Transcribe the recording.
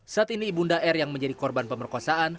saat ini ibu nda r yang menjadi korban pemerkosaan